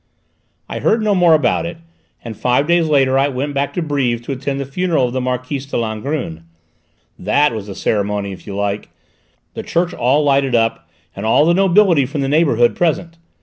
I heard no more about it, and five days later I went back to Brives to attend the funeral of the Marquise de Langrune. That was a ceremony if you like! The church all lighted up, and all the nobility from the neighbourhood present.